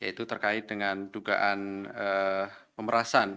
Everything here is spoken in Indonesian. yaitu terkait dengan dugaan pemerasan